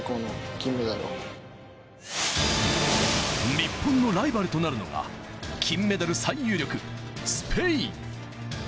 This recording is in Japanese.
日本のライバルとなるのが金メダル最有力、スペイン。